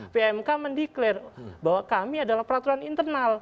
pmk mendeklarasi bahwa kami adalah peraturan internal